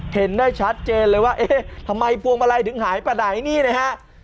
เห็นได้ชัดเจนเลยว่าเอ๊ะทำไมพวงมาลัยถึงหายไปไหนนี่นะฮะ